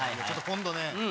ちょっと今度ね